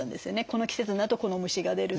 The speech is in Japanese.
この季節になるとこの虫が出るとか。